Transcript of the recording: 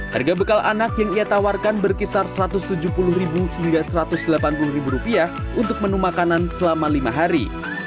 harga bekal anak yang ia tawarkan berkisar rp satu ratus tujuh puluh hingga rp satu ratus delapan puluh untuk menu makanan selama lima hari